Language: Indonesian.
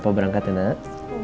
papa berangkat ya nak